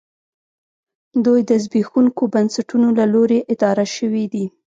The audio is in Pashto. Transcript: دوی د زبېښونکو بنسټونو له لوري اداره شوې دي